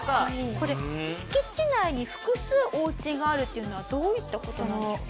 これ敷地内に複数おうちがあるっていうのはどういった事なんでしょう？